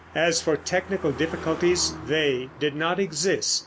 As for technical difficulties, they did not exist.